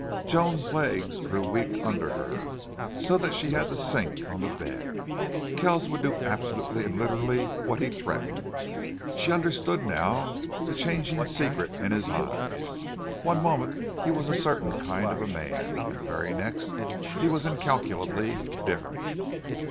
Joan's legs grew weak under her, so that she had to sink on the bed. Kells would do absolutely and literally what he threatened. She understood now the changing secret in his eyes. One moment he was a certain kind of a man and the very next he was incalculably different.